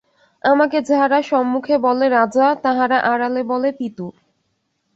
আমাকে যাহারা সম্মুখে বলে রাজা, তাহারা আড়ালে বলে পিতু।